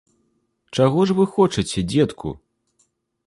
Чаго ж вы хочаце, дзедку?